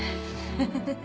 フフフフ。